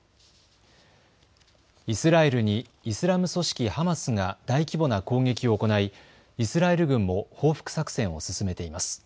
イスラエルにイスラム組織ハマスが大規模な攻撃を行いイスラエル軍も報復作戦を進めています。